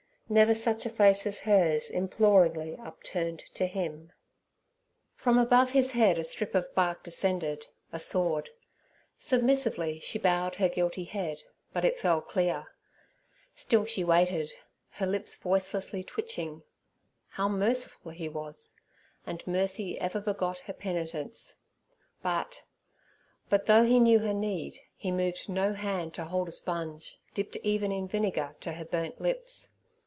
Never such a face as hers, imploringly upturned to Him. From above His head a strip of bark descended—a sword. Submissively she bowed her guilty head, but it fell clear. Still she waited, her lips voicelessly twitching. How merciful He was! and mercy ever begot her penitence. But—but though He knew her need, He moved no hand to hold a sponge, dipped even in vinegar, to her burnt lips.